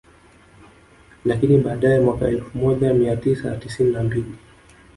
Lakini baadae mwaka elfu moja mia tisa tisini na mbili